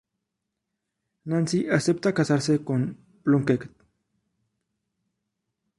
Nancy acepta casarse con Plunkett.